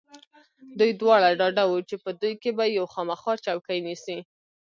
دوی دواړه ډاډه و چې په دوی کې به یو خامخا چوکۍ نیسي.